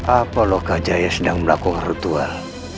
apa loh kak daya sedang melakukan ritual